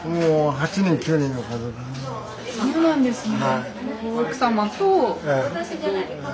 そうなんですね。